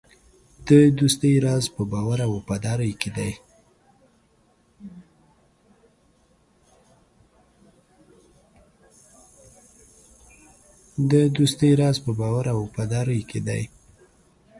د دوستۍ راز په باور او وفادارۍ کې دی.